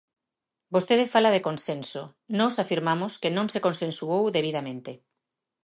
Vostede fala de consenso, nós afirmamos que non se consensuou debidamente.